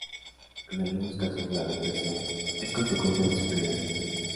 En algunos casos la depresión es consecuencia de sufrir ansiedad.